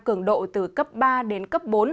cường độ từ cấp ba đến cấp bốn